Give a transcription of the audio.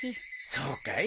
そうかい？